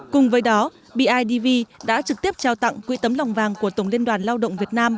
cùng với đó bidv đã trực tiếp trao tặng quỹ tấm lòng vàng của tổng liên đoàn lao động việt nam